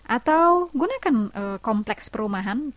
atau gunakan kompleks perumahan